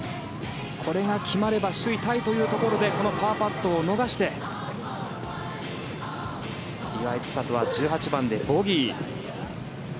これが決まれば首位タイというところでこのパーパットを逃して岩井千怜は１８番でボギー。